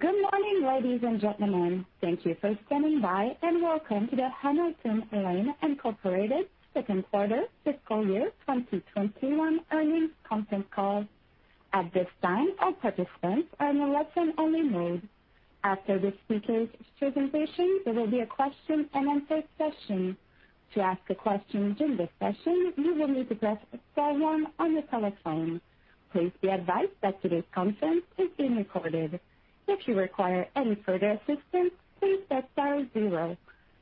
Good morning, ladies and gentlemen. Thank you for standing by, and welcome to the Hamilton Lane Incorporated second quarter fiscal year 2021 earnings conference call. At this time, all participants are in a listen-only mode. After the speakers' presentation, there will be a question and answer session. To ask a question during this session, you will need to press star one on your telephone. Please be advised that today's conference is being recorded. If you require any further assistance, please press star 0.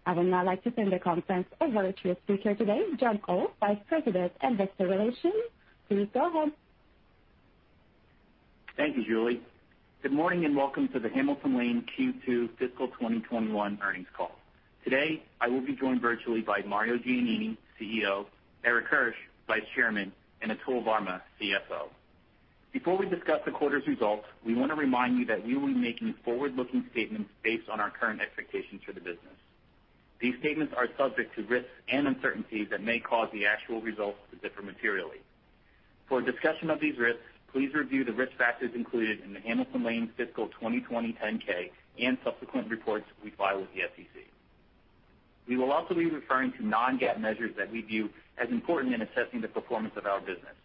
I would now like to turn the conference over to the speaker today, John Oh, Vice President of Investor Relations. Please go on. Thank you, Julie. Good morning. Welcome to the Hamilton Lane Q2 fiscal 2021 earnings call. Today, I will be joined virtually by Mario Giannini, CEO, Erik Hirsch, Vice Chairman, and Atul Varma, CFO. Before we discuss the quarter's results, we want to remind you that we will be making forward-looking statements based on our current expectations for the business. These statements are subject to risks and uncertainties that may cause the actual results to differ materially. For a discussion of these risks, please review the risk factors included in the Hamilton Lane fiscal 2020 10-K, and subsequent reports we file with the SEC. We will also be referring to non-GAAP measures that we view as important in assessing the performance of our business.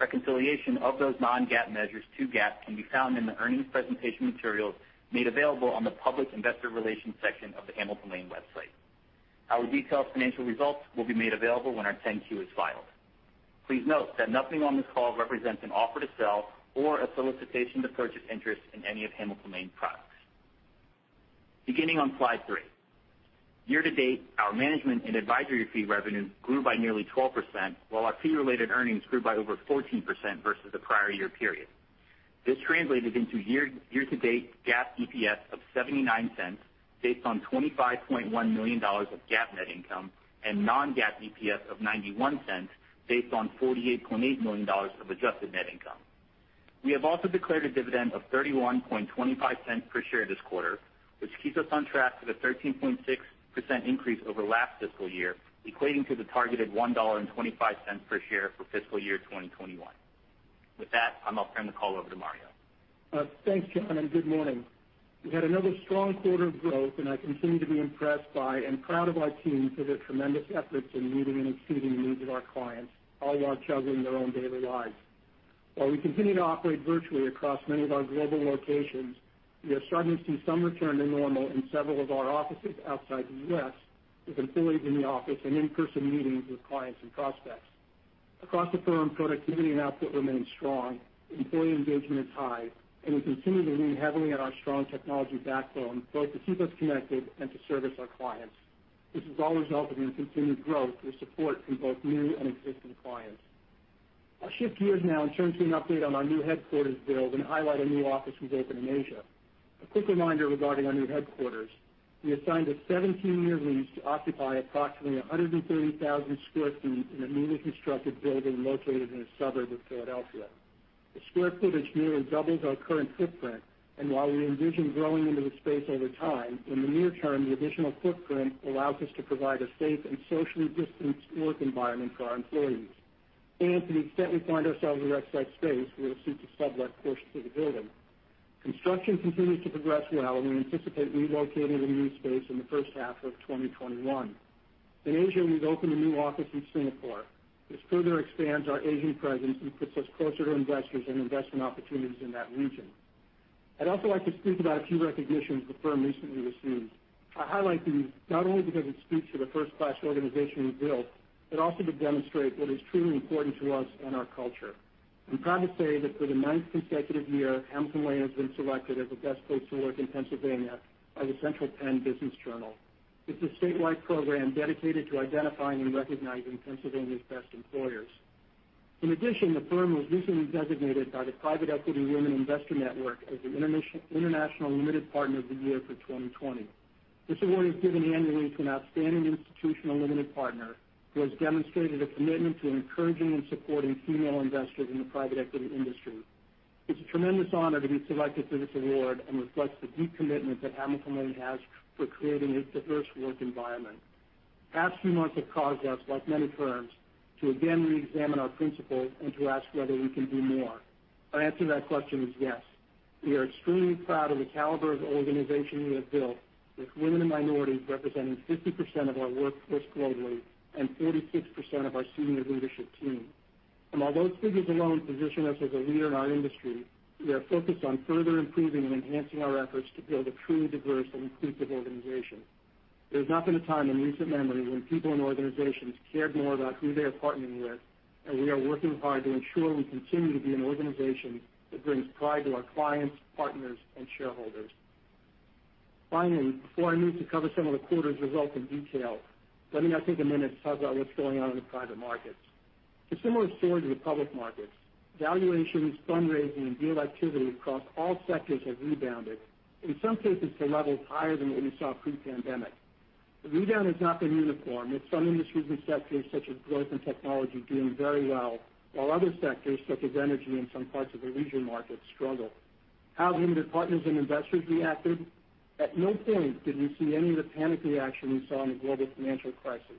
Reconciliation of those non-GAAP measures to GAAP can be found in the earnings presentation materials made available on the public investor relations section of the Hamilton Lane website. Our detailed financial results will be made available when our 10-Q is filed. Please note that nothing on this call represents an offer to sell or a solicitation to purchase interest in any of Hamilton Lane products. Beginning on slide three. Year-to-date, our management and advisory fee revenue grew by nearly 12%, while our fee-related earnings grew by over 14% versus the prior year period. This translated into year-to-date GAAP EPS of $0.79, based on $25.1 million of GAAP net income, and non-GAAP EPS of $0.91, based on $48.8 million of adjusted net income. We have also declared a dividend of $0.3125 per share this quarter, which keeps us on track for the 13.6% increase over last fiscal year, equating to the targeted $1.25 per share for fiscal year 2021. With that, I'll now turn the call over to Mario. Thanks, John, and good morning. We had another strong quarter of growth, I continue to be impressed by and proud of our team for their tremendous efforts in meeting and exceeding the needs of our clients, all while juggling their own daily lives. While we continue to operate virtually across many of our global locations, we are starting to see some return to normal in several of our offices outside the U.S., with employees in the office and in-person meetings with clients and prospects. Across the firm, productivity and output remain strong, employee engagement is high, and we continue to lean heavily on our strong technology backbone, both to keep us connected and to service our clients. This is all resulting in continued growth with support from both new and existing clients. I'll shift gears now and turn to an update on our new headquarters build and highlight a new office we've opened in Asia. A quick reminder regarding our new headquarters. We have signed a 17-year lease to occupy approximately 130,000 sq ft in a newly constructed building located in a suburb of Philadelphia. The square footage nearly doubles our current footprint, and while we envision growing into the space over time, in the near term, the additional footprint allows us to provide a safe and socially distanced work environment for our employees. To the extent we find ourselves with excess space, we will seek to sublet portions of the building. Construction continues to progress well, and we anticipate relocating to the new space in the first half of 2021. In Asia, we've opened a new office in Singapore. This further expands our Asian presence and puts us closer to investors and investment opportunities in that region. I'd also like to speak about a few recognitions the firm recently received. I highlight these not only because it speaks to the first-class organization we've built, but also to demonstrate what is truly important to us and our culture. I'm proud to say that for the ninth consecutive year, Hamilton Lane has been selected as a Best Place to Work in Pennsylvania by the Central Penn Business Journal. It's a statewide program dedicated to identifying and recognizing Pennsylvania's best employers. In addition, the firm was recently designated by the Private Equity Women Investor Network as the International Limited Partner of the Year for 2020. This award is given annually to an outstanding institutional limited partner who has demonstrated a commitment to encouraging and supporting female investors in the private equity industry. It's a tremendous honor to be selected for this award and reflects the deep commitment that Hamilton Lane has for creating a diverse work environment. Past few months have caused us, like many firms, to again reexamine our principles and to ask whether we can do more. Our answer to that question is yes. We are extremely proud of the caliber of organization we have built, with women and minorities representing 50% of our workforce globally and 46% of our senior leadership team. While those figures alone position us as a leader in our industry, we are focused on further improving and enhancing our efforts to build a truly diverse and inclusive organization. There's not been a time in recent memory when people and organizations cared more about who they are partnering with, and we are working hard to ensure we continue to be an organization that brings pride to our clients, partners, and shareholders. Finally, before I move to cover some of the quarter's results in detail, let me now take a minute to talk about what's going on in the private markets. It's a similar story to the public markets. Valuations, fundraising, and deal activity across all sectors have rebounded, in some cases to levels higher than what we saw pre-pandemic. The rebound has not been uniform, with some industries and sectors such as growth and technology doing very well, while other sectors such as energy and some parts of the regional markets struggle. How have limited partners and investors reacted? At no point did we see any of the panic reaction we saw in the global financial crisis.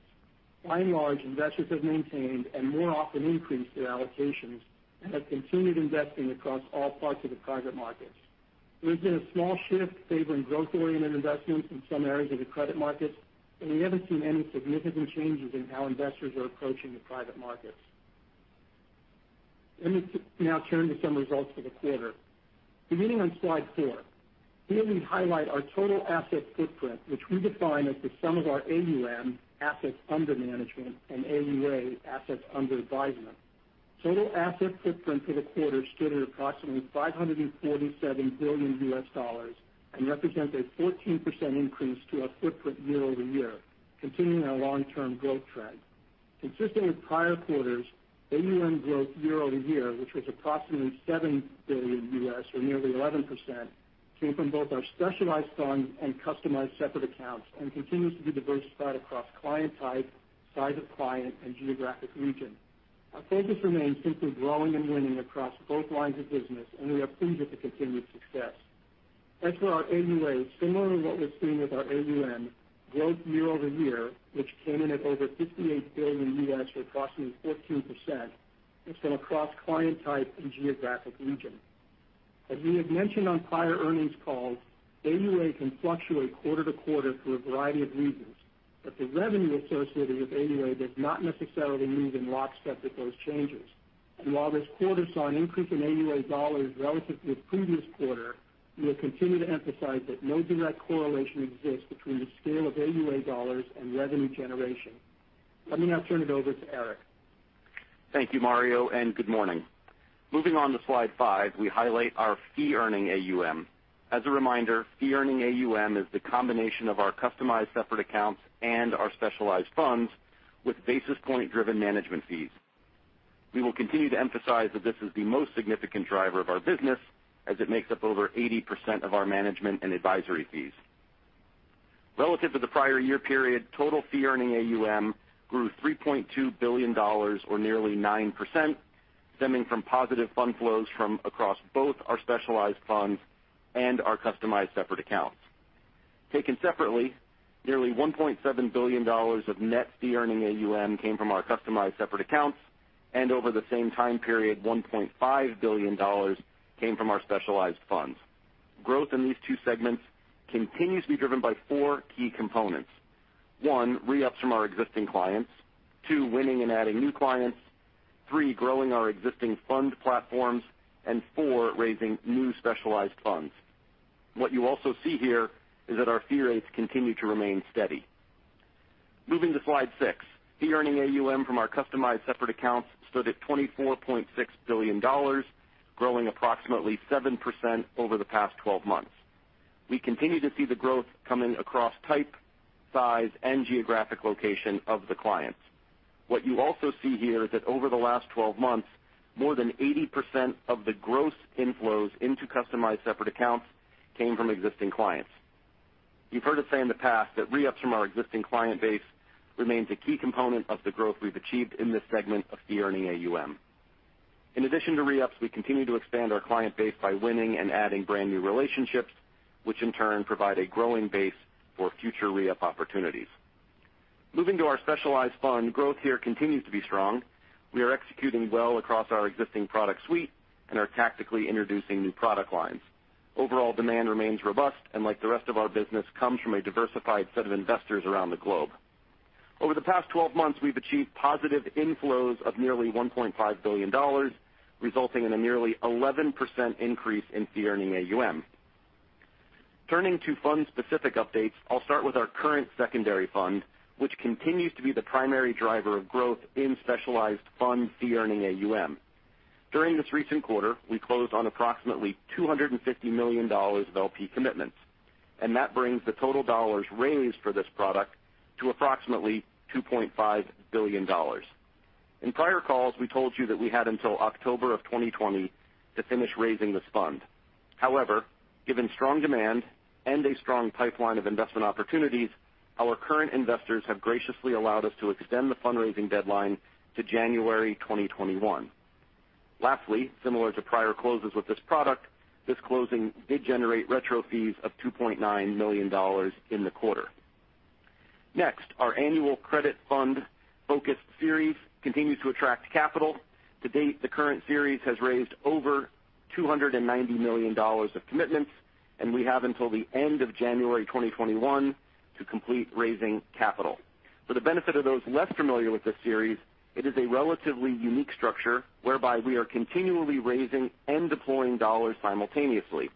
By and large, investors have maintained and more often increased their allocations and have continued investing across all parts of the private markets. There has been a small shift favoring growth-oriented investments in some areas of the credit markets, but we haven't seen any significant changes in how investors are approaching the private markets. Let me now turn to some results for the quarter. Beginning on slide four. Here we highlight our total asset footprint, which we define as the sum of our AUM, assets under management, and AUA, assets under advisement. Total asset footprint for the quarter stood at approximately $547 billion and represents a 14% increase to our footprint year-over-year, continuing our long-term growth trend. Consistent with prior quarters, AUM growth year-over-year, which was approximately $7 billion, or nearly 11%, came from both our specialized funds and customized separate accounts and continues to be diversified across client type, size of client, and geographic region. Our focus remains simply growing and winning across both lines of business, and we are pleased at the continued success. As for our AUA, similar to what we're seeing with our AUM, growth year-over-year, which came in at over $58 billion, or approximately 14%, was from across client type and geographic region. As we have mentioned on prior earnings calls, AUA can fluctuate quarter-to-quarter for a variety of reasons, but the revenue associated with AUA does not necessarily move in lockstep with those changes. While this quarter saw an increase in AUA dollars relative to the previous quarter, we will continue to emphasize that no direct correlation exists between the scale of AUA dollars and revenue generation. Let me now turn it over to Erik. Thank you, Mario. Good morning. Moving on to slide five, we highlight our fee-earning AUM. As a reminder, fee-earning AUM is the combination of our customized separate accounts and our specialized funds with basis point-driven management fees. We will continue to emphasize that this is the most significant driver of our business, as it makes up over 80% of our management and advisory fees. Relative to the prior year period, total fee-earning AUM grew $3.2 billion or nearly 9%, stemming from positive fund flows from across both our specialized funds and our customized separate accounts. Taken separately, nearly $1.7 billion of net fee-earning AUM came from our customized separate accounts, and over the same time period, $1.5 billion came from our specialized funds. Growth in these two segments continues to be driven by four key components: one, re-ups from our existing clients; two, winning and adding new clients; three, growing our existing fund platforms; and four, raising new specialized funds. What you also see here is that our fee rates continue to remain steady. Moving to slide six. Fee-earning AUM from our customized separate accounts stood at $24.6 billion, growing approximately 7% over the past 12 months. We continue to see the growth coming across type, size, and geographic location of the clients. What you also see here is that over the last 12 months, more than 80% of the gross inflows into customized separate accounts came from existing clients. You've heard us say in the past that re-ups from our existing client base remains a key component of the growth we've achieved in this segment of fee-earning AUM. In addition to re-ups, we continue to expand our client base by winning and adding brand-new relationships, which in turn provide a growing base for future re-up opportunities. Moving to our specialized fund. Growth here continues to be strong. We are executing well across our existing product suite and are tactically introducing new product lines. Overall demand remains robust and like the rest of our business, comes from a diversified set of investors around the globe. Over the past 12 months, we've achieved positive inflows of nearly $1.5 billion, resulting in a nearly 11% increase in fee-earning AUM. Turning to fund-specific updates, I'll start with our current secondary fund, which continues to be the primary driver of growth in specialized fund fee-earning AUM. During this recent quarter, we closed on approximately $250 million of LP commitments. That brings the total dollars raised for this product to approximately $2.5 billion. In prior calls, we told you that we had until October of 2020 to finish raising this fund. However, given strong demand and a strong pipeline of investment opportunities, our current investors have graciously allowed us to extend the fundraising deadline to January 2021. Lastly, similar to prior closes with this product, this closing did generate retro fees of $2.9 million in the quarter. Next, our annual credit fund-focused series continues to attract capital. To date, the current series has raised over $290 million of commitments, and we have until the end of January 2021 to complete raising capital. For the benefit of those less familiar with this series, it is a relatively unique structure whereby we are continually raising and deploying dollars simultaneously.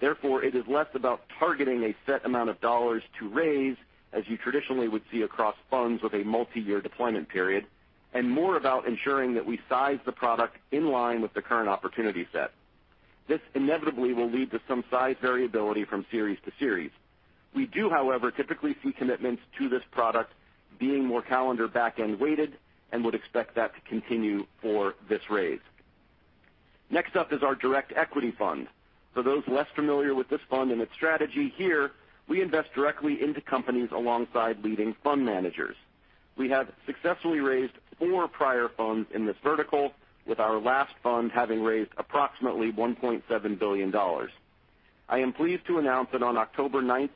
It is less about targeting a set amount of dollars to raise, as you traditionally would see across funds with a multi-year deployment period, and more about ensuring that we size the product in line with the current opportunity set. This inevitably will lead to some size variability from series-to-series. We do, however, typically see commitments to this product being more calendar back-end weighted and would expect that to continue for this raise. Next up is our direct equity fund. For those less familiar with this fund and its strategy here, we invest directly into companies alongside leading fund managers. We have successfully raised four prior funds in this vertical, with our last fund having raised approximately $1.7 billion. I am pleased to announce that on October 9th,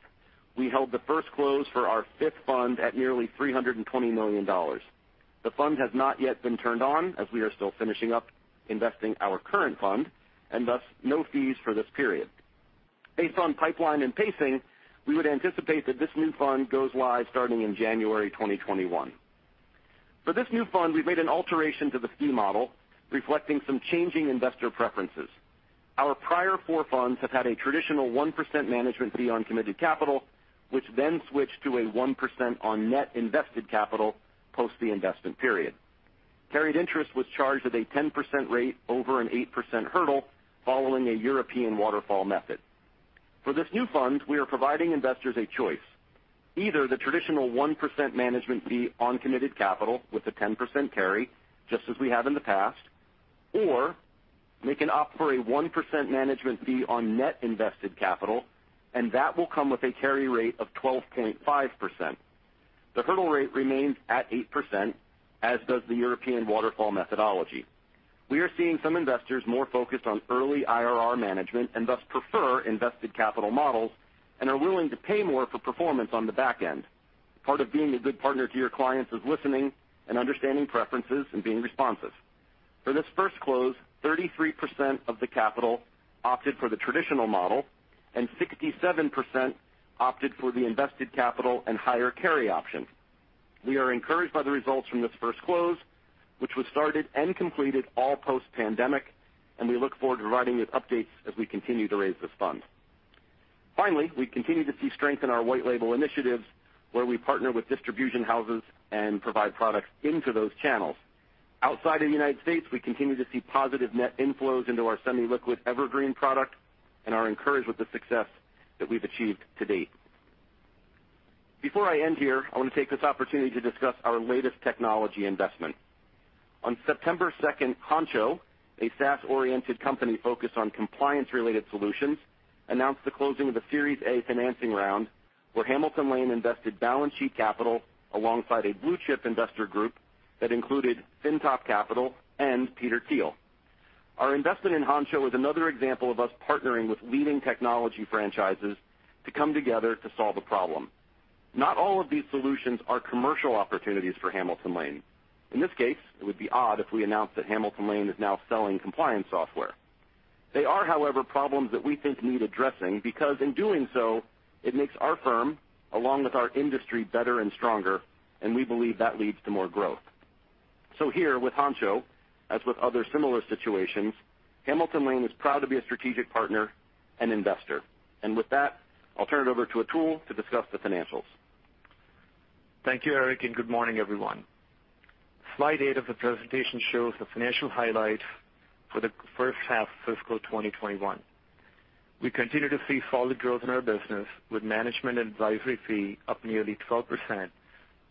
we held the first close for our fifth fund at nearly $320 million. The fund has not yet been turned on, as we are still finishing up investing our current fund, thus, no fees for this period. Based on pipeline and pacing, we would anticipate that this new fund goes live starting in January 2021. For this new fund, we've made an alteration to the fee model, reflecting some changing investor preferences. Our prior four funds have had a traditional 1% management fee on committed capital, which switched to a 1% on net invested capital post the investment period. Carried interest was charged at a 10% rate over an 8% hurdle following a European waterfall method. For this new fund, we are providing investors a choice. Either the traditional 1% management fee on committed capital with a 10% carry, just as we have in the past, or they can opt for a 1% management fee on net invested capital, and that will come with a carry rate of 12.5%. The hurdle rate remains at 8%, as does the European waterfall methodology. We are seeing some investors more focused on early IRR management and thus prefer invested capital models and are willing to pay more for performance on the back end. Part of being a good partner to your clients is listening and understanding preferences and being responsive. For this first close, 33% of the capital opted for the traditional model, and 67% opted for the invested capital and higher carry option. We are encouraged by the results from this first close, which was started and completed all post-pandemic, and we look forward to providing you with updates as we continue to raise this fund. We continue to see strength in our white label initiatives, where we partner with distribution houses and provide products into those channels. Outside of the United States, we continue to see positive net inflows into our semi-liquid Evergreen product and are encouraged with the success that we've achieved to date. Before I end here, I want to take this opportunity to discuss our latest technology investment. On September 2nd, Honcho, a SaaS-oriented company focused on compliance-related solutions, announced the closing of a Series A financing round where Hamilton Lane invested balance sheet capital alongside a blue-chip investor group that included FINTOP Capital and Peter Thiel. Our investment in Honcho is another example of us partnering with leading technology franchises to come together to solve a problem. Not all of these solutions are commercial opportunities for Hamilton Lane. In this case, it would be odd if we announced that Hamilton Lane is now selling compliance software. They are, however, problems that we think need addressing, because in doing so, it makes our firm, along with our industry, better and stronger, and we believe that leads to more growth. Here with Honcho, as with other similar situations, Hamilton Lane is proud to be a strategic partner and investor. With that, I'll turn it over to Atul to discuss the financials. Thank you, Erik, and good morning, everyone. Slide eight of the presentation shows the financial highlights for the first half fiscal 2021. We continue to see solid growth in our business, with management and advisory fee up nearly 12%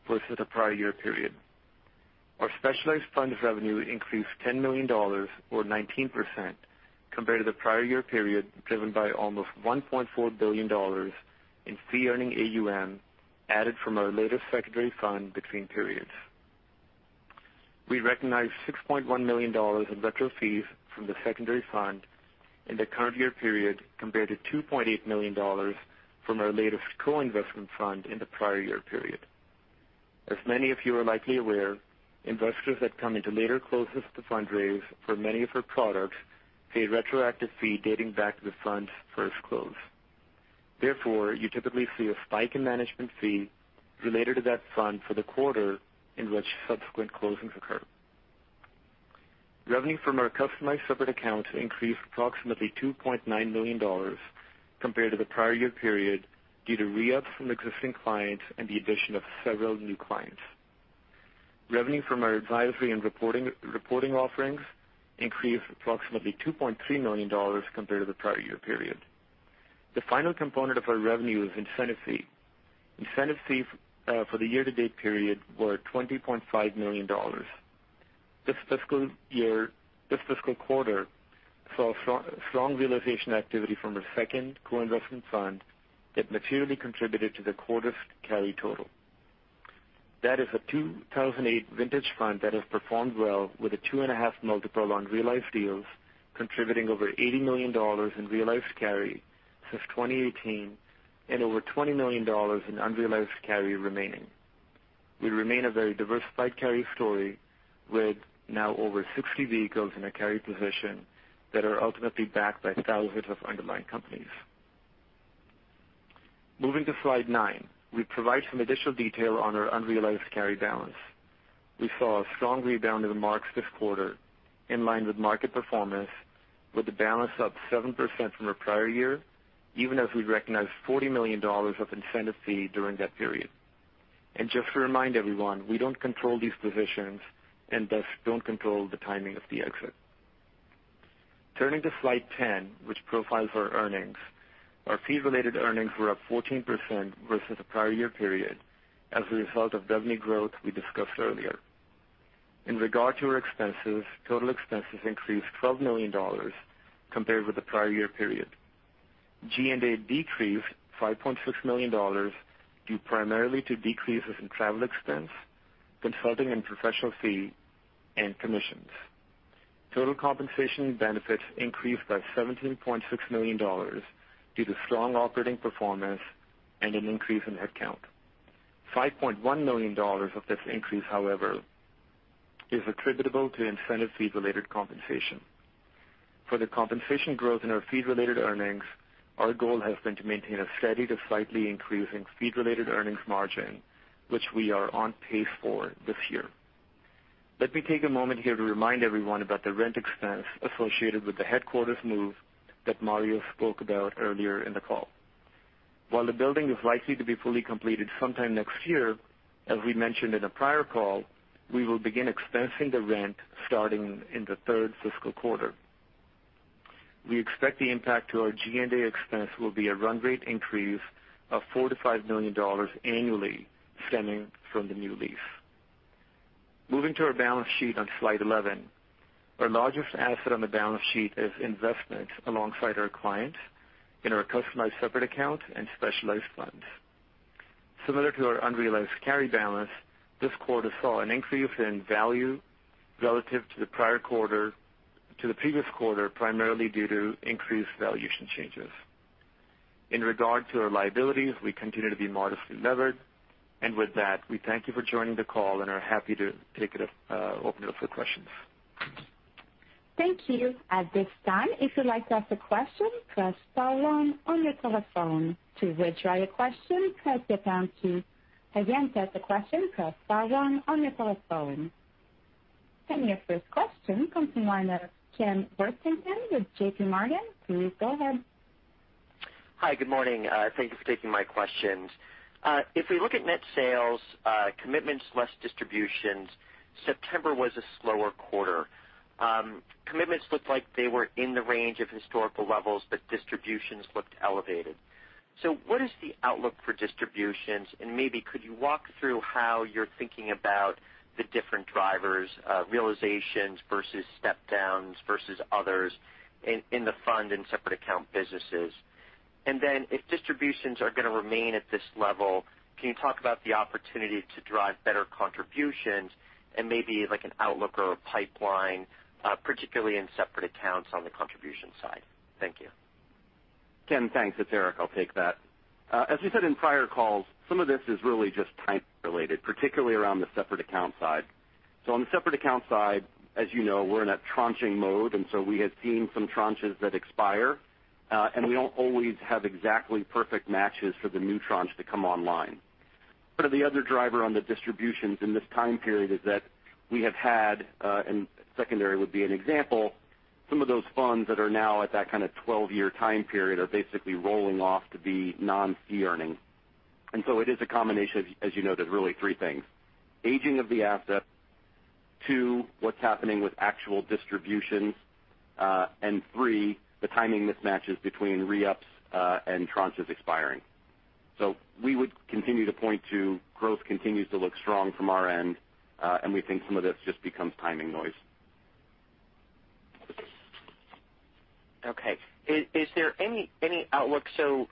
versus the prior year period. Our specialized funds revenue increased $10 million or 19% compared to the prior year period, driven by almost $1.4 billion in fee-earning AUM added from our latest secondary fund between periods. We recognized $6.1 million in retro fees from the secondary fund in the current year period compared to $2.8 million from our latest co-investment fund in the prior year period. As many of you are likely aware, investors that come into later closes to fundraise for many of our products pay retroactive fee dating back to the fund's first close. You typically see a spike in management fee related to that fund for the quarter in which subsequent closings occur. Revenue from our customized separate accounts increased approximately $2.9 million compared to the prior year period due to re-ups from existing clients and the addition of several new clients. Revenue from our advisory and reporting offerings increased approximately $2.3 million compared to the prior year period. The final component of our revenue is incentive fee. Incentive fee for the year-to-date period were $20.5 million. This fiscal quarter saw strong realization activity from our second co-investment fund that materially contributed to the quarter's carry total. That is a 2008 vintage fund that has performed well with a 2.5 multiple on realized deals, contributing over $80 million in realized carry since 2018 and over $20 million in unrealized carry remaining. We remain a very diversified carry story with now over 60 vehicles in a carry position that are ultimately backed by thousands of underlying companies. Moving to slide nine, we provide some additional detail on our unrealized carry balance. We saw a strong rebound in the marks this quarter in line with market performance with the balance up 7% from our prior year, even as we recognized $40 million of incentive fee during that period. Just to remind everyone, we don't control these positions and thus don't control the timing of the exit. Turning to slide 10, which profiles our earnings. Our fee-related earnings were up 14% versus the prior year period as a result of revenue growth we discussed earlier. In regard to our expenses, total expenses increased $12 million compared with the prior year period. G&A decreased $5.6 million due primarily to decreases in travel expense, consulting and professional fee, and commissions. Total compensation benefits increased by $17.6 million due to strong operating performance and an increase in headcount. $5.1 million of this increase, however, is attributable to incentive fee-related compensation. For the compensation growth in our fee-related earnings, our goal has been to maintain a steady to slightly increasing fee-related earnings margin, which we are on pace for this year. Let me take a moment here to remind everyone about the rent expense associated with the headquarters move that Mario spoke about earlier in the call. While the building is likely to be fully completed sometime next year, as we mentioned in a prior call, we will begin expensing the rent starting in the third fiscal quarter. We expect the impact to our G&A expense will be a run rate increase of $4 million-$5 million annually stemming from the new lease. Moving to our balance sheet on slide 11. Our largest asset on the balance sheet is investments alongside our clients in our customized separate accounts and specialized funds. Similar to our unrealized carry balance, this quarter saw an increase in value relative to the previous quarter, primarily due to increased valuation changes. In regard to our liabilities, we continue to be modestly levered. With that, we thank you for joining the call and are happy to open it up for questions. Thank you. At this time, if you'd like to ask a question, press star one on your telephone. To withdraw your question, press the pound key. Again, to ask a question, press star one on your telephone. Your first question comes from the line of Ken Worthington with JPMorgan. Please go ahead. Hi, good morning. Thank you for taking my questions. If we look at net sales, commitments less distributions, September was a slower quarter. Commitments looked like they were in the range of historical levels, but distributions looked elevated. What is the outlook for distributions? Maybe could you walk through how you're thinking about the different drivers, realizations versus step downs versus others in the fund and separate account businesses? If distributions are going to remain at this level, can you talk about the opportunity to drive better contributions and maybe like an outlook or a pipeline, particularly in separate accounts on the contribution side? Thank you. Ken, thanks. It's Erik, I'll take that. As we said in prior calls, some of this is really just time related, particularly around the separate account side. On the separate account side, as you know, we're in a tranching mode, we had seen some tranches that expire, and we don't always have exactly perfect matches for the new tranche to come online. The other driver on the distributions in this time period is that we have had, and secondary would be an example, some of those funds that are now at that kind of 12-year time period are basically rolling off to be non-fee earning. It is a combination of, as you noted, really three things. Aging of the asset. Two, what's happening with actual distributions. Three, the timing mismatches between re-ups, and tranches expiring. We would continue to point to growth continues to look strong from our end, and we think some of this just becomes timing noise. Is there any outlook?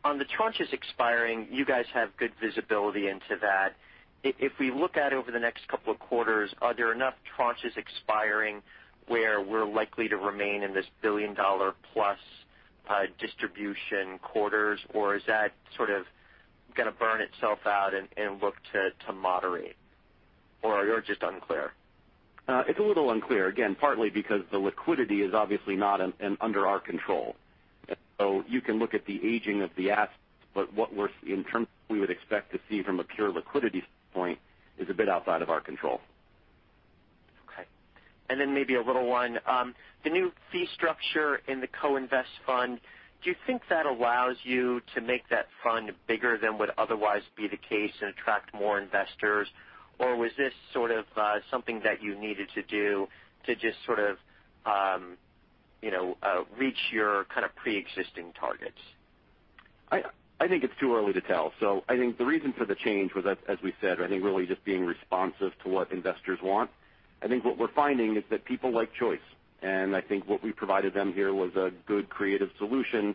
On the tranches expiring, you guys have good visibility into that. If we look at over the next two quarters, are there enough tranches expiring where we're likely to remain in this $1 billion+ distribution quarters? Is that sort of going to burn itself out and look to moderate? You're just unclear? It's a little unclear. Partly because the liquidity is obviously not under our control. You can look at the aging of the assets, but what we would expect to see from a pure liquidity standpoint is a bit outside of our control. Okay. Maybe a little one. The new fee structure in the co-invest fund, do you think that allows you to make that fund bigger than would otherwise be the case and attract more investors? Was this sort of something that you needed to do to just sort of reach your kind of preexisting targets? I think it's too early to tell. I think the reason for the change was that, as we said, really just being responsive to what investors want. I think what we're finding is that people like choice. I think what we provided them here was a good creative solution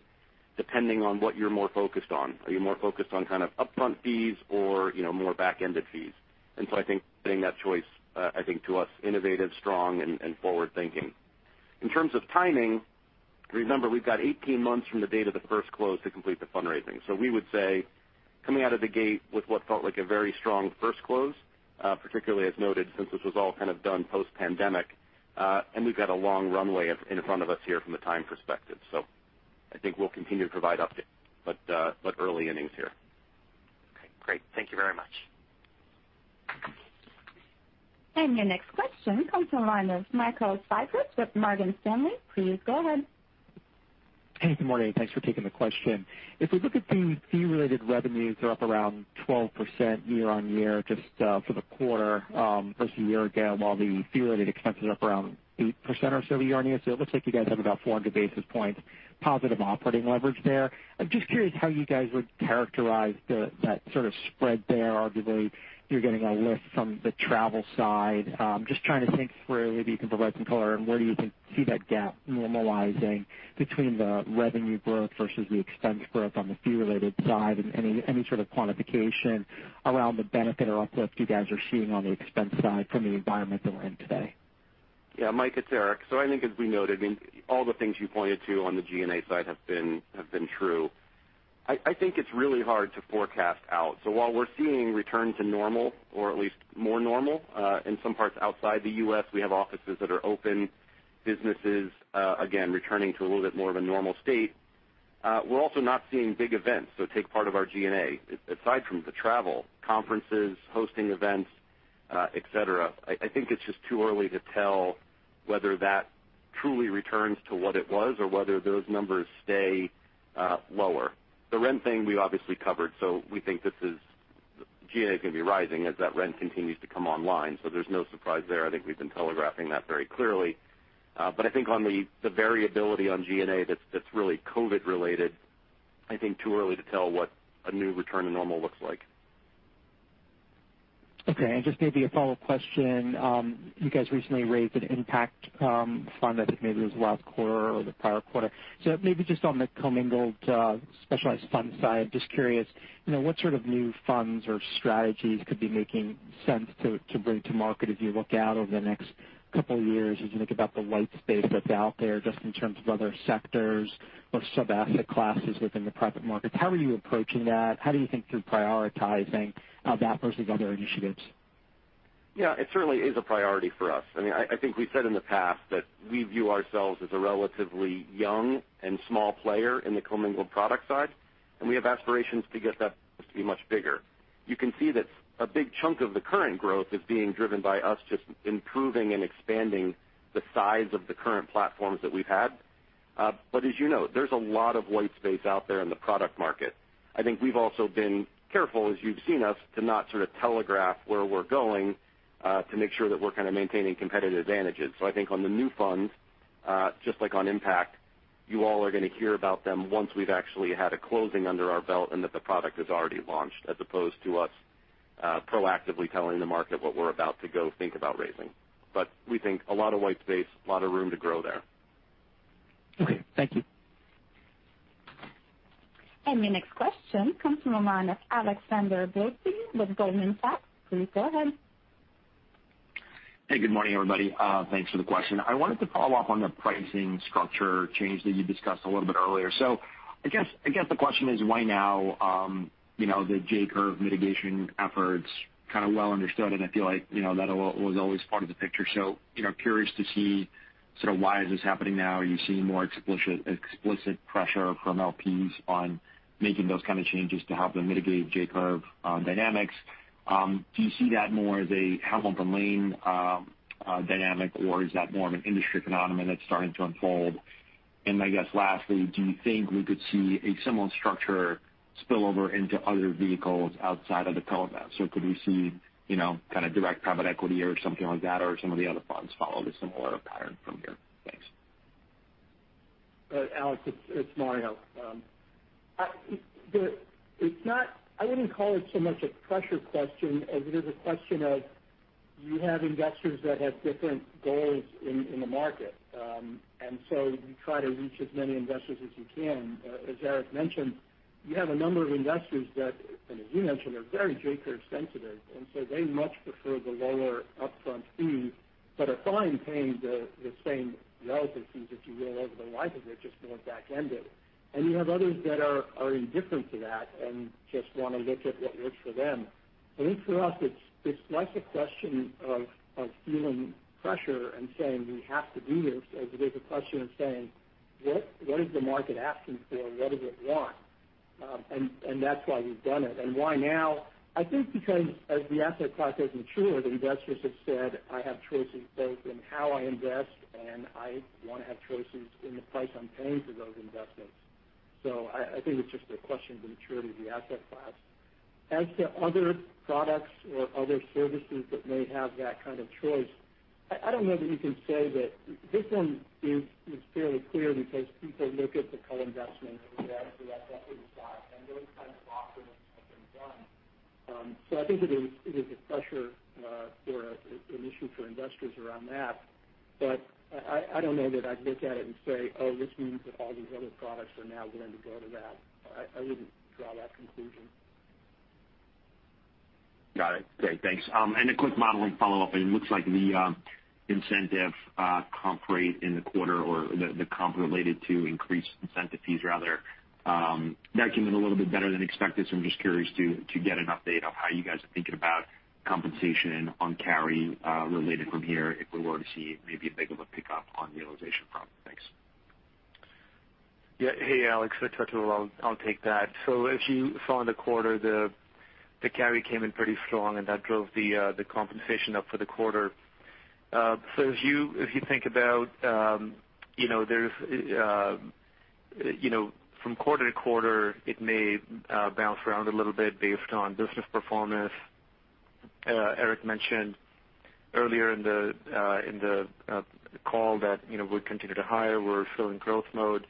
depending on what you're more focused on. Are you more focused on upfront fees or more back-ended fees? I think getting that choice, to us, innovative, strong, and forward-thinking. In terms of timing, remember, we've got 18 months from the date of the first close to complete the fundraising. We would say, coming out of the gate with what felt like a very strong first close, particularly as noted, since this was all kind of done post-pandemic. We've got a long runway in front of us here from a time perspective. I think we'll continue to provide updates, but early innings here. Okay, great. Thank you very much. Your next question comes from the line of Michael Cyprys with Morgan Stanley. Please go ahead. Hey, good morning. Thanks for taking the question. If we look at the fee-related revenues, they're up around 12% year-on-year just for the quarter versus a year ago, while the fee-related expenses are up around 8% or so year-on-year. It looks like you guys have about 400 basis points positive operating leverage there. I'm just curious how you guys would characterize that sort of spread there. Arguably, you're getting a lift from the travel side. Just trying to think through if you can provide some color on where you can see that gap normalizing between the revenue growth versus the expense growth on the fee-related side, and any sort of quantification around the benefit or uplift you guys are seeing on the expense side from the environment that we're in today. Yeah, Mike, it's Erik. I think as we noted, and all the things you pointed to on the G&A side have been true. I think it's really hard to forecast out. While we're seeing return to normal, or at least more normal, in some parts outside the U.S., we have offices that are open, businesses, again, returning to a little bit more of a normal state. We're also not seeing big events, so take part of our G&A. Aside from the travel, conferences, hosting events, et cetera, I think it's just too early to tell whether that truly returns to what it was or whether those numbers stay lower. The rent thing we obviously covered, we think G&A is going to be rising as that rent continues to come online, there's no surprise there. I think we've been telegraphing that very clearly. I think on the variability on G&A that's really COVID related, I think too early to tell what a new return to normal looks like. Okay, just maybe a follow question. You guys recently raised an impact fund, I think maybe it was last quarter or the prior quarter. Maybe just on the commingled specialized fund side, just curious, what sort of new funds or strategies could be making sense to bring to market as you look out over the next couple years, as you think about the white space that's out there, just in terms of other sectors or sub asset classes within the private markets. How are you approaching that? How do you think through prioritizing that versus other initiatives? It certainly is a priority for us. I think we've said in the past that we view ourselves as a relatively young and small player in the commingled product side, and we have aspirations to get that to be much bigger. You can see that a big chunk of the current growth is being driven by us just improving and expanding the size of the current platforms that we've had. As you know, there's a lot of white space out there in the product market. I think we've also been careful, as you've seen us, to not telegraph where we're going, to make sure that we're maintaining competitive advantages. I think on the new funds, just like on impact, you all are going to hear about them once we've actually had a closing under our belt and that the product is already launched, as opposed to us proactively telling the market what we're about to go think about raising. We think a lot of white space, a lot of room to grow there. Okay. Thank you. The next question comes from the mind of Alex Blostein with Goldman Sachs. Please go ahead. Hey, good morning, everybody. Thanks for the question. I wanted to follow up on the pricing structure change that you discussed a little bit earlier. I guess the question is why now? The J-curve mitigation efforts, kind of well understood, and I feel like that was always part of the picture. Curious to see why is this happening now? Are you seeing more explicit pressure from LPs on making those kind of changes to help them mitigate J-curve dynamics? Do you see that more as a Hamilton Lane dynamic, or is that more of an industry phenomenon that's starting to unfold? I guess lastly, do you think we could see a similar structure spill over into other vehicles outside of the co-invest? Could we see direct private equity or something like that, or some of the other funds follow the similar pattern from here? Thanks. Alex, it's Mario. I wouldn't call it so much a pressure question as it is a question of you have investors that have different goals in the market. You try to reach as many investors as you can. As Erik mentioned, you have a number of investors that, and as you mentioned, are very J-curve sensitive, and so they much prefer the lower upfront fees, but are fine paying the same relative fees that you will over the life of it, just more back-ended. You have others that are indifferent to that and just want to look at what works for them. I think for us, it's less a question of feeling pressure and saying we have to do this as it is a question of saying, what is the market asking for and what does it want? That's why we've done it. Why now? I think because as the asset class has matured, the investors have said, "I have choices both in how I invest, and I want to have choices in the price I'm paying for those investments." I think it's just a question of the maturity of the asset class. As to other products or other services that may have that kind of choice, I don't know that you can say that this one is fairly clear because people look at the co-investment as an asset class, and those kinds of offerings have been done. I think it is a pressure for an issue for investors around that. I don't know that I'd look at it and say, "Oh, this means that all these other products are now going to go to that." I wouldn't draw that conclusion. Got it. Great. Thanks. A quick modeling follow-up. It looks like the incentive comp rate in the quarter, or the comp related to increased incentive fees rather, that came in a little bit better than expected. I'm just curious to get an update on how you guys are thinking about compensation on carry related from here, if we were to see maybe a bigger of a pickup on realization comp. Thanks. Yeah. Hey, Alex. Touch on that. I'll take that. As you saw in the quarter, the carry came in pretty strong, and that drove the compensation up for the quarter. If you think about from quarter to quarter, it may bounce around a little bit based on business performance. Erik mentioned earlier in the call that we're continuing to hire, we're still in growth mode.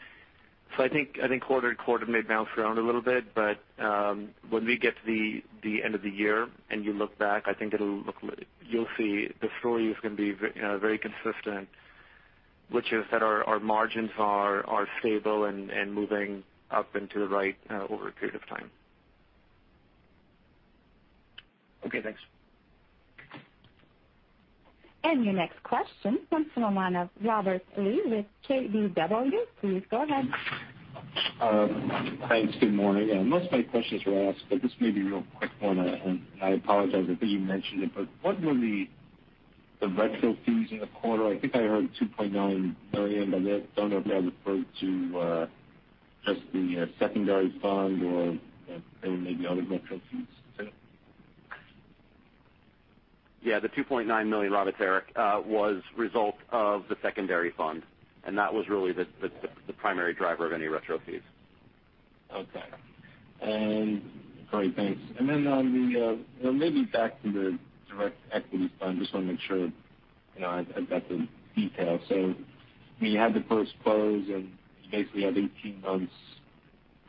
I think quarter to quarter may bounce around a little bit, but when we get to the end of the year and you look back, I think you'll see the story is going to be very consistent, which is that our margins are stable and moving up and to the right over a period of time. Okay, thanks. Your next question comes from the line of Robert Lee with KBW. Please go ahead. Thanks. Good morning. Most of my questions were asked, but this may be a real quick one, and I apologize. I think you mentioned it, but what were the retro fees in the quarter? I think I heard $2.9 million, but I don't know if that referred to just the secondary fund or there may be other retro fees too. Yeah, the $2.9 million, Robert, it's Erik, was result of the secondary fund, and that was really the primary driver of any retro fees. Okay. All right, thanks. Maybe back to the direct equity fund. Just want to make sure I've got the details. When you had the first close, and you basically had 18 months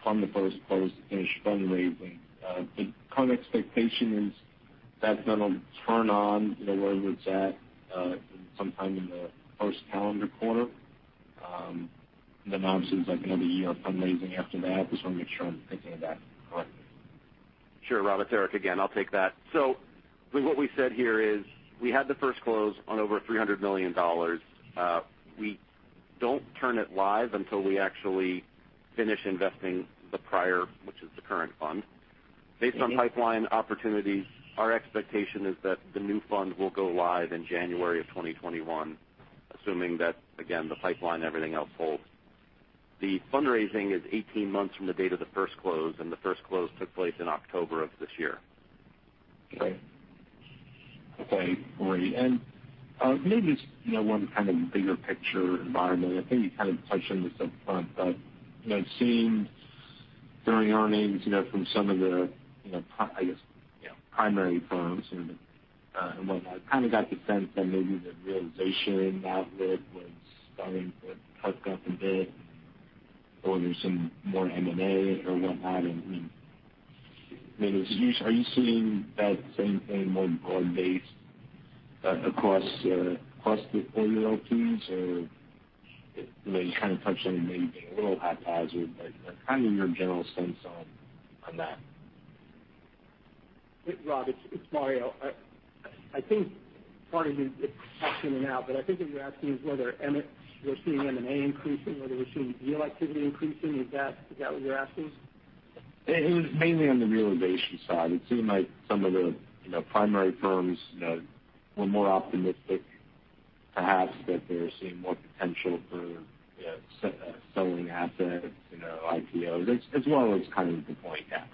from the first close to finish fundraising. The current expectation is that's going to turn on, wherever it's at, sometime in the first calendar quarter. Obviously there's another year of fundraising after that. Just want to make sure I'm thinking of that correctly. Sure. Robert, it's Erik again. I'll take that. What we said here is we had the first close on over $300 million. We don't turn it live until we actually finish investing the prior, which is the current fund. Based on pipeline opportunities, our expectation is that the new fund will go live in January of 2021, assuming that, again, the pipeline and everything else holds. The fundraising is 18 months from the date of the first close, and the first close took place in October of this year. Okay. Great. Maybe just one kind of bigger picture environment. I think you kind of touched on this up front, but it seems during earnings from some of the, I guess, primary firms and whatnot, I kind of got the sense that maybe the realization outlook was starting to perk up a bit or there's some more M&A or whatnot. Are you seeing that same thing more broad-based across the portfolio teams or you kind of touched on it maybe being a little haphazard, but kind of your general sense on that. Rob, it's Mario. I think, pardon me if I'm patching in and out, but I think what you're asking is whether we're seeing M&A increasing, whether we're seeing deal activity increasing. Is that what you're asking? It was mainly on the realization side. It seemed like some of the primary firms were more optimistic, perhaps that they're seeing more potential for selling assets, IPOs, as well as kind of the point down.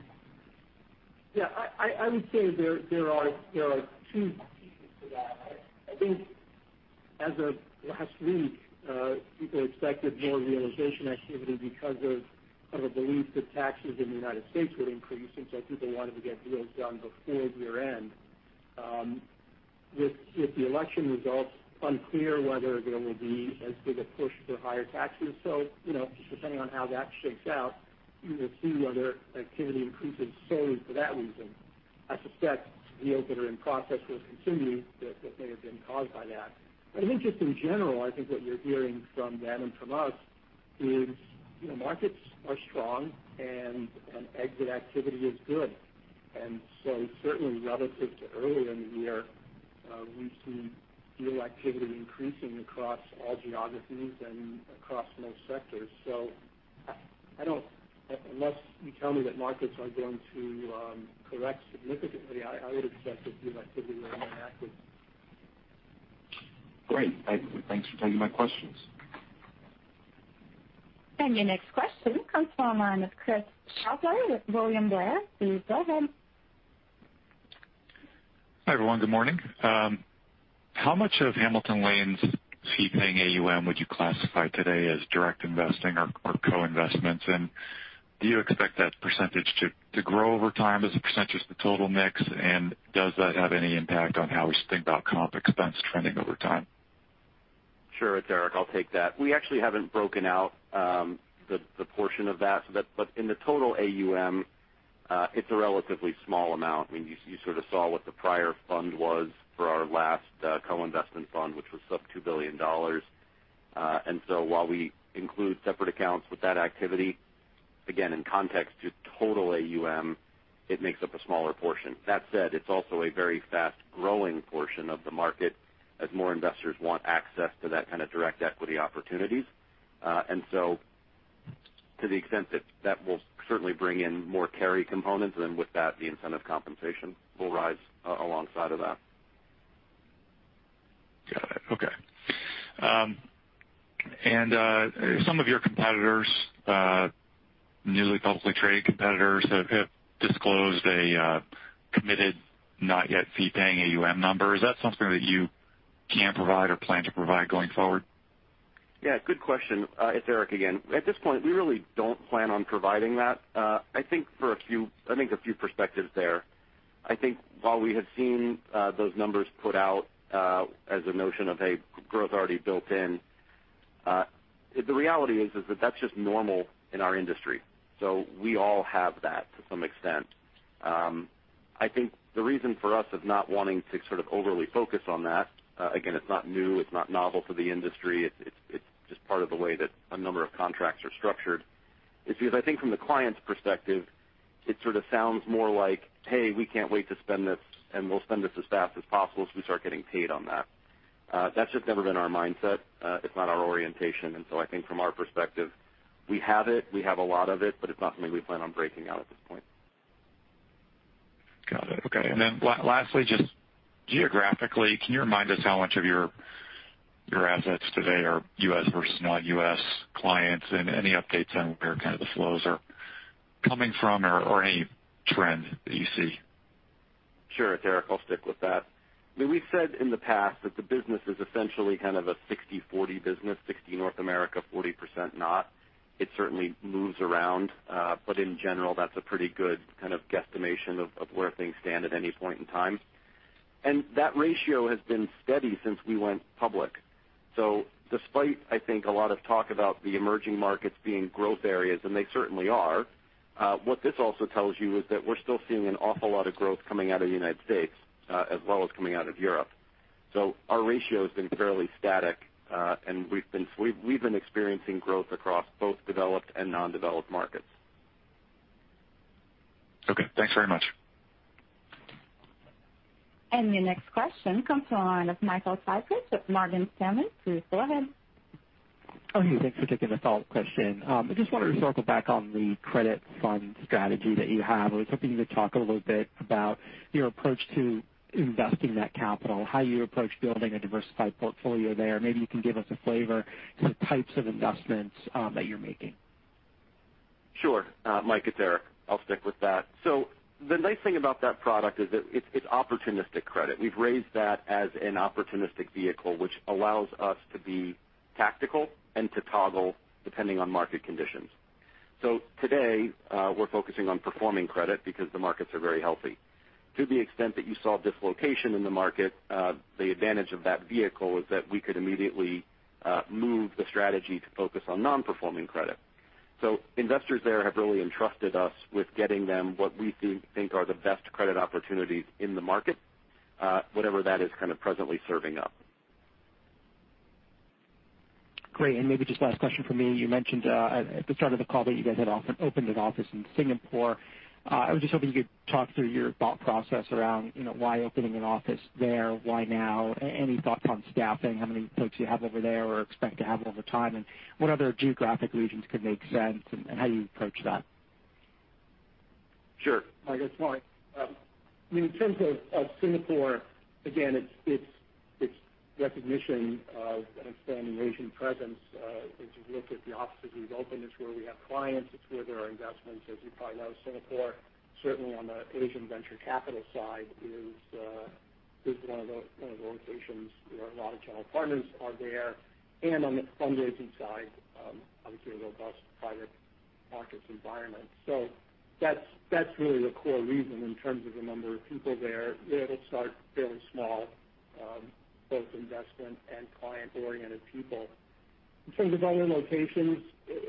Yeah. I would say there are two pieces to that. I think as of last week, people expected more realization activity because of a belief that taxes in the U.S. would increase, and so people wanted to get deals done before year-end. With the election results unclear whether there will be as big a push for higher taxes, just depending on how that shakes out, you will see whether activity increases solely for that reason. I suspect deals that are in process will continue that may have been caused by that. I think just in general, I think what you're hearing from them and from us is markets are strong and exit activity is good. Certainly relative to earlier in the year, we've seen deal activity increasing across all geographies and across most sectors. Unless you tell me that markets are going to correct significantly, I would expect that deal activity will remain active. Great. Thanks for taking my questions. Your next question comes from the line of Chris Shutler with William Blair. Please go ahead. Hi, everyone. Good morning. How much of Hamilton Lane's fee paying AUM would you classify today as direct investing or co-investments? Do you expect that percentage to grow over time as a percentage of the total mix? Does that have any impact on how we should think about comp expense trending over time? Sure. It's Erik. I'll take that. We actually haven't broken out the portion of that. In the total AUM, it's a relatively small amount. You sort of saw what the prior fund was for our last co-investment fund, which was sub $2 billion. While we include separate accounts with that activity, again, in context to total AUM, it makes up a smaller portion. That said, it's also a very fast-growing portion of the market as more investors want access to that kind of direct equity opportunities. To the extent that that will certainly bring in more carry components, and with that, the incentive compensation will rise alongside of that. Got it. Okay. Some of your competitors, newly publicly traded competitors, have disclosed a committed not yet fee-paying AUM number. Is that something that you can provide or plan to provide going forward? Yeah, good question. It's Erik again. At this point, we really don't plan on providing that. I think a few perspectives there. I think while we have seen those numbers put out as a notion of a growth already built in, the reality is that that's just normal in our industry. We all have that to some extent. I think the reason for us of not wanting to sort of overly focus on that, again, it's not new, it's not novel to the industry. It's just part of the way that a number of contracts are structured. It's because I think from the client's perspective, it sort of sounds more like, "Hey, we can't wait to spend this, and we'll spend this as fast as possible, so we start getting paid on that." That's just never been our mindset. It's not our orientation. I think from our perspective, we have it, we have a lot of it, but it's not something we plan on breaking out at this point. Got it. Okay. Lastly, just geographically, can you remind us how much of your assets today are U.S. versus non-U.S. clients? Any updates on where the flows are coming from or any trend that you see? Sure, Chris, I'll stick with that. We've said in the past that the business is essentially kind of a 60/40 business, 60 North America, 40% not. It certainly moves around. In general, that's a pretty good kind of guesstimation of where things stand at any point in time. That ratio has been steady since we went public. Despite, I think, a lot of talk about the emerging markets being growth areas, and they certainly are, what this also tells you is that we're still seeing an awful lot of growth coming out of the United States, as well as coming out of Europe. Our ratio has been fairly static. We've been experiencing growth across both developed and non-developed markets. Okay, thanks very much. The next question comes from the line of Michael Cyprys with Morgan Stanley. Please go ahead. Oh, hey, thanks for taking this follow-up question. I just wanted to circle back on the credit fund strategy that you have. I was hoping you could talk a little bit about your approach to investing that capital, how you approach building a diversified portfolio there. Maybe you can give us a flavor to the types of investments that you're making. Sure. Mike, it's Erik. I'll stick with that. The nice thing about that product is that it's opportunistic credit. We've raised that as an opportunistic vehicle, which allows us to be tactical and to toggle depending on market conditions. Today, we're focusing on performing credit because the markets are very healthy. To the extent that you saw dislocation in the market, the advantage of that vehicle is that we could immediately move the strategy to focus on non-performing credit. Investors there have really entrusted us with getting them what we think are the best credit opportunities in the market, whatever that is presently serving up. Great. Maybe just last question from me. You mentioned at the start of the call that you guys had opened an office in Singapore. I was just hoping you could talk through your thought process around why opening an office there, why now, any thoughts on staffing, how many folks you have over there or expect to have over time, and what other geographic regions could make sense and how you approach that? Sure. Mike, it's Mario. In terms of Singapore, again, it's recognition of and expanding Asian presence. If you look at the offices we've opened, it's where we have clients. It's where there are investments. As you probably know, Singapore, certainly on the Asian venture capital side, is one of those locations where a lot of general partners are there. On the fundraising side, obviously a robust private markets environment. That's really the core reason in terms of the number of people there. It'll start fairly small, both investment and client-oriented people. In terms of other locations,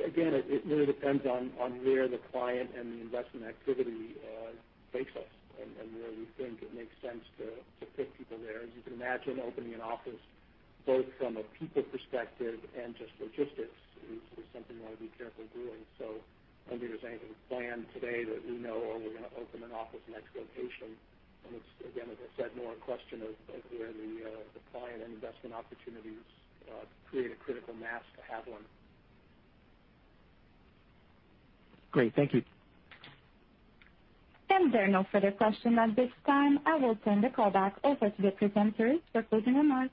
again, it really depends on where the client and the investment activity takes us and where we think it makes sense to put people there. As you can imagine, opening an office, both from a people perspective and just logistics is something you want to be careful doing. I don't think there's anything planned today that we know or we're going to open an office in X location. It's, again, as I said, more a question of where the client and investment opportunities create a critical mass to have one. Great. Thank you. There are no further questions at this time. I will turn the call back over to the presenters for closing remarks.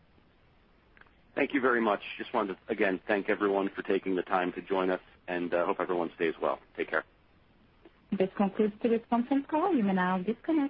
Thank you very much. Just wanted to, again, thank everyone for taking the time to join us, and hope everyone stays well. Take care. This concludes today's conference call. You may now disconnect.